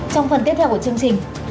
trong phần tiếp theo của chương trình